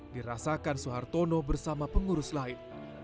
dirasakan suhartono bersama pengurus lain